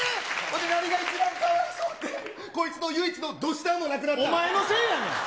何が一番かわいそうって、こいつの唯一のどしたのがなくなお前のせいやねん。